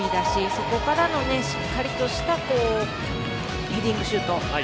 そこからのしっかりとしたヘディングシュート。